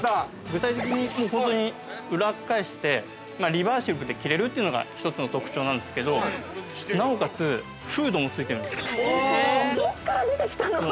具体的に裏返して、リバーシブルで着れるというのが、１つの特徴なんですけど、なおかつフードもついてるんですよ。